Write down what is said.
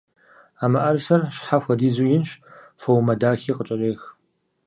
А мыӀэрысэр щхьэ хуэдизу инщ, фоумэ дахи къыкӀэрех.